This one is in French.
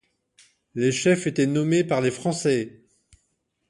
Les chefs étaient nommés par les Français.